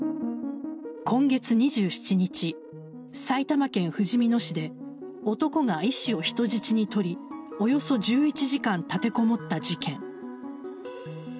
今月２７日埼玉県ふじみ野市で男が医師を人質に取りおよそ１１時間立てこもった事件。